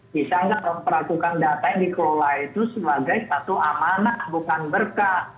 bisa nggak memperlakukan data yang dikelola itu sebagai satu amanah bukan berkah